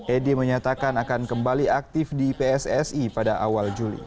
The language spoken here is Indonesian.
edi menyatakan akan kembali aktif di pssi pada awal juli